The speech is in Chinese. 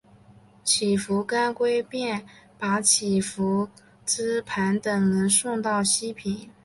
乞伏干归便把乞伏炽磐等人送到西平。